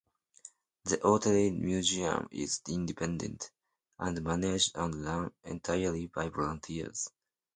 The Otley Museum is independent, and managed and run entirely by volunteers.